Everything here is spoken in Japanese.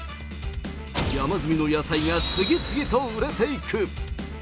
山積みの野菜が次々と売れていく。